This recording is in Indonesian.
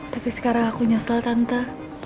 tapi sekarang aku nyesel tante